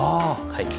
はい。